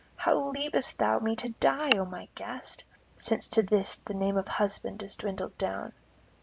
How leavest thou me to die, O my guest? since to this the name of husband is dwindled down.